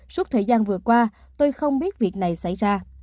suốt thời gian vừa qua tôi không biết việc này xảy ra